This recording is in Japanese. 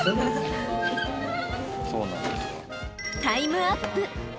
［タイムアップ］